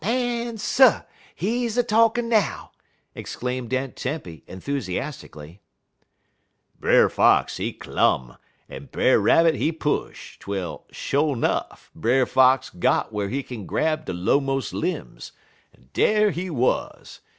'" "Man Sir! he's a talkin' now!" exclaimed Aunt Tempy, enthusiastically. "Brer Fox, he clum, en Brer Rabbit, he push, twel, sho' 'nuff, Brer Fox got whar he kin grab de lowmos' lim's, en dar he wuz!